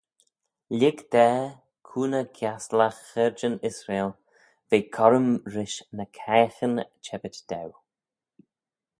Lhig da cooney ghiastyllagh Chaarjyn Israel ve corrym rish ny caaghyn çhebbit daue.